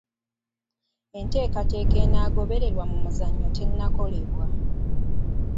Enteekateeka enaagobererwa mu muzannyo tennakolebwa.